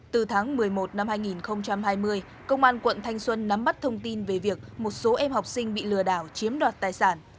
từ tháng một mươi một năm hai nghìn hai mươi công an quận thanh xuân nắm bắt thông tin về việc một số em học sinh bị lừa đảo chiếm đoạt tài sản